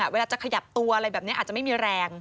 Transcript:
เวลาจะขยับตัวอะไรแบบนี้อาจจะไม่มีแรง